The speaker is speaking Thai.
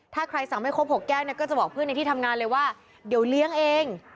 ถ้าใครสั่งไม่ครบ๖แก้วเนี่ยก็จะบอกเพื่อนในที่ทำงานเลยว่าเดี๋ยวเลี้ยงเอง